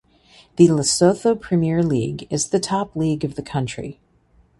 The Lesotho Premier League is the top league of the country.